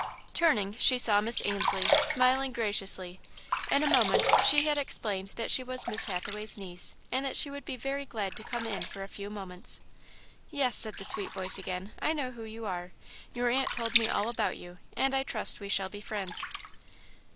Turning, she saw Miss Ainslie, smiling graciously. In a moment she had explained that she was Miss Hathaway's niece and that she would be very glad to come in for a few moments. "Yes," said the sweet voice again, "I know who you are. Your aunt told me all about you and I trust we shall be friends."